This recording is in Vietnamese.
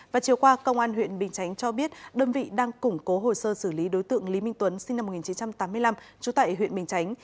và chiều qua công an huyện bình chánh cho biết đơn vị đang củng cố hồ sơ xử lý đối tượng lý minh tuấn sinh năm một nghìn chín trăm tám mươi năm trú tại huyện bình chánh